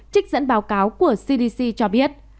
trích dẫn báo cáo của cdc cho biết